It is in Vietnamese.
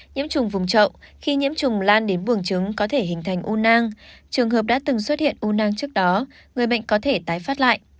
nhiễm trùng vùng trậu khi nhiễm trùng lan đến buồng trứng có thể hình thành u nang trường hợp đã từng xuất hiện u nang trước đó người bệnh có thể tái phát lại